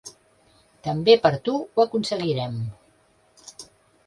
També per tu ho aconseguirem.